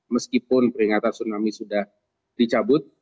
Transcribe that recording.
meskipun peringatan tsunami sudah dicabut